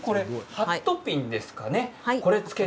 ハットピンですね。